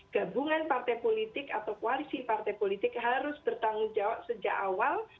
gabungan partai politik atau koalisi partai politik harus bertanggung jawab sejak awal